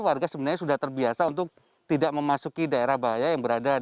warga sebenarnya sudah terbiasa untuk tidak memasuki daerah bahaya yang berada jarak lima km